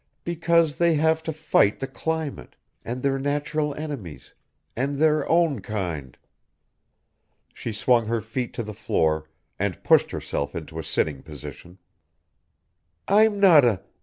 "Because they have to fight the climate ... and their natural enemies ... and their own kind." She swung her feet to the floor and pushed herself into a sitting position. "I'm not a